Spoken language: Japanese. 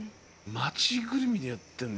町ぐるみでやってるの？